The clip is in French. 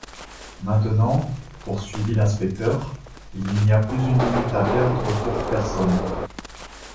Maintenant, poursuivit l'inspecteur, il n'y a plus une minute à perdre pour personne.